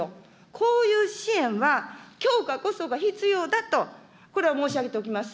こういう支援は強化こそが必要だと、これは申し上げておきます。